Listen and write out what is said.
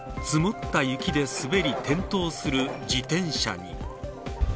積もった雪で滑り転倒する自転車に。